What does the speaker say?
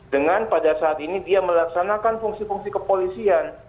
dengan pada saat ini dia melaksanakan fungsi fungsi kepolisian